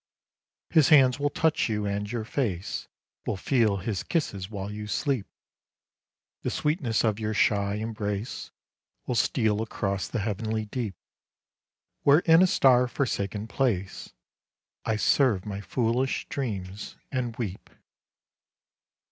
His hands will touch you, and your face Will feel his kisses while you sleep, The sweetness of your shy embrace Will steal across the heavenly deep, Where in a star forsaken place I serve my foolish dreams, and weep.